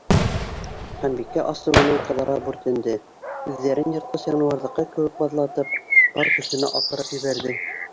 Ханбикә асыуынан ҡыҙара бүртенде, күҙҙәрен йыртҡыс януарҙыҡы кеүек баҙлатып, бар көсөнә аҡырып ебәрҙе.